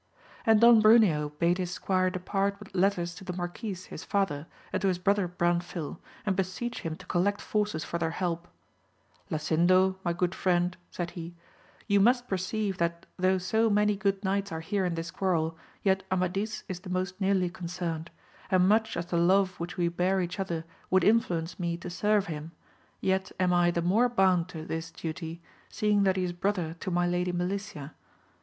And Don Bruneo bade his squire depart with letters to the marquis his father, and to his brother Branfil, and beseech him to collect forces for their help. La U AMADIS OF GAUL. . t fiindo, my good friend, said he, you must perceive that though so many good knights are here in this quarrel, yet Amadis is the most nearly concerned ; and much as the love which we bear each other would influence me to serve him, yet am I the more bound to this duty, seeing that he is brother to my lady Melicia.